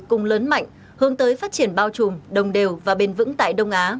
cùng lớn mạnh hướng tới phát triển bao trùm đồng đều và bền vững tại đông á